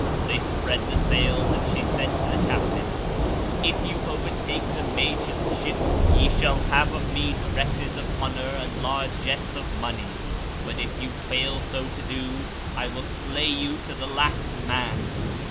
They spread the sails and she said to the captains, "If you overtake the Magian's ship, ye shall have of me dresses of honour and largesse of money; but if you fail so to do, I will slay you to the last man."